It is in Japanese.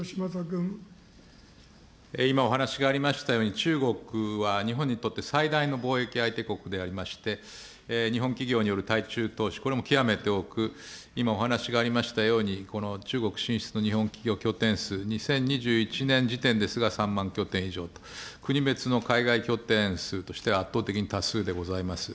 今、お話がありましたように、中国は日本にとって最大の貿易相手国でありまして、日本企業による対中投資、これも極めて多く、今お話がありましたように、この中国進出の日本企業拠点数、２０２１年時点ですが、３万拠点以上と、国別の海外拠点数としては圧倒的多数でございます。